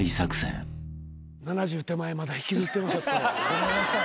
ごめんなさい。